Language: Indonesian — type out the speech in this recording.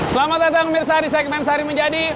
selamat datang mirsa di segmen sehari menjadi